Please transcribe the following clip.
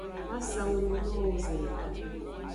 Ma sa wuwo no wo zedeka.